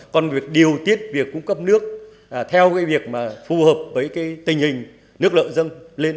còn việc điều tiết việc cung cấp nước theo cái việc mà phù hợp với cái tình hình nước lợi dân lên